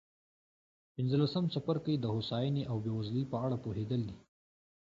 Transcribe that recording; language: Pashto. پنځلسم څپرکی د هوساینې او بېوزلۍ په اړه پوهېدل دي.